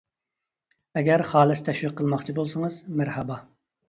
ئەگەر خالىس تەشۋىق قىلماقچى بولسىڭىز مەرھابا!